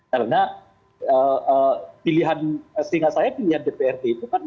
karena pilihan singapura jawa tenggara itu tidak bisa diuntungkan